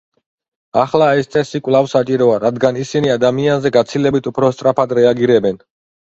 ახლა ეს წესი კვლავ საჭიროა, რადგან ისინი ადამიანზე გაცილებით უფრო სწრაფად რეაგირებენ.